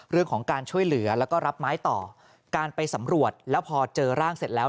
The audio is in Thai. เรื่องของการช่วยเหลือแล้วก็รับไม้ต่อการไปสำรวจแล้วพอเจอร่างเสร็จแล้ว